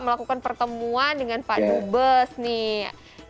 melakukan pertemuan dengan pak dubes nih